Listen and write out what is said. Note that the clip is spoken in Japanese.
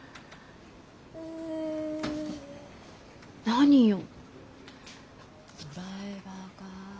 何よ？